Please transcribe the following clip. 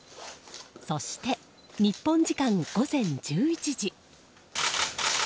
そして、日本時間午前１１時。